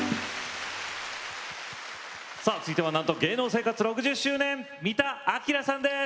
続いてはなんと芸能生活６０周年三田明さんです。